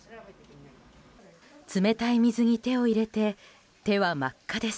冷たい水に手を入れて手は真っ赤です。